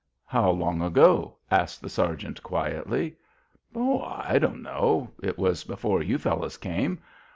"How long ago?" asked the sergeant, quietly. "Oh, I don't know. It was before you fellows came.